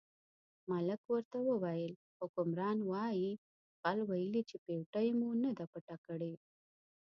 ملک ورته وویل حکمران وایي غل ویلي چې پېټۍ مو نه ده پټه کړې.